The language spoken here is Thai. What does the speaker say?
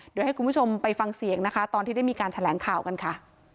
เดี๋ยวให้คุณผู้ชมไปฟังเสียงนะคะตอนที่ได้มีการแถลงข่าวกันค่ะ